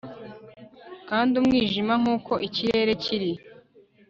kandi, umwijima nkuko ikirere kiri